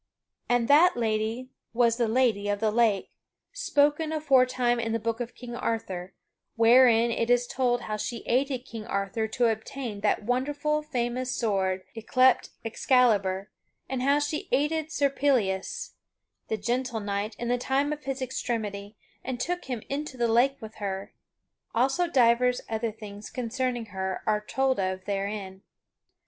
(And that lady was the Lady of the Lake, spoken of aforetime in the Book of King Arthur, wherein it is told how she aided King Arthur to obtain that wonderful, famous sword yclept Excalibur, and how she aided Sir Pellias, the Gentle Knight, in the time of his extremity, and took him into the lake with her. Also divers other things concerning her are told of therein.)